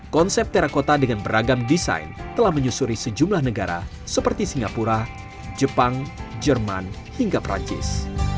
konsep terakota dengan beragam desain telah menyusuri sejumlah negara seperti singapura jepang jerman hingga perancis